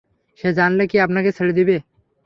সে জানলে কি আপনাকে ছেড়ে দিবে?